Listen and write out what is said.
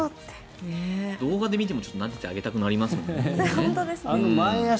動画で見てもなでてあげたくなりますもんね。